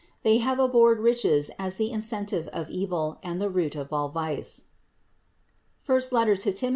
They have abhorred riches as the incentive to evil and the root of all vices (I Tim.